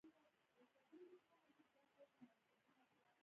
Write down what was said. اوبه د مدرسې ماشوم ته یخ څښاک دی.